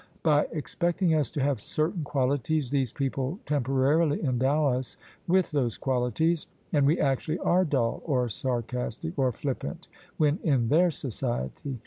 By expecting us to have certain qualities, these people temporarily endow us with those qualities : and we actually are dull or sarcastic or flippant when in their society.